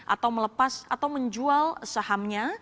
atau melepas atau menjual sahamnya